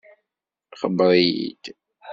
Xebbeṛ-iyi-d.